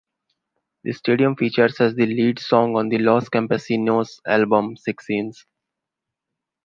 The stadium features as the lead song on the Los Campesinos album 'Sick Scenes'.